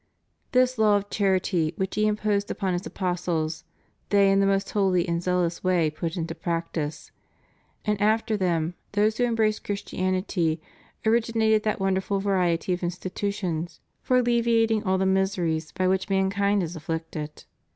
^ This law of charity which He imposed upon His apostles, they in the most holy and zealous way put into practice; and after them those who embraced Christianity origi nated that wonderful variety of institutions for alleviating all the miseries by which mankind is afflicted.